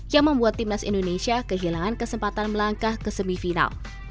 yang membuat timnas indonesia kehilangan kesempatan melangkah ke semifinal